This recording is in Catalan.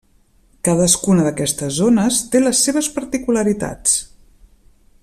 Cadascuna d'aquestes zones té les seves particularitats.